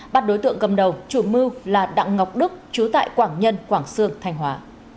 bắt đối tượng cầm đầu chủ mưu là đặng ngọc đức chú tại quảng nhân quảng sương thanh hóa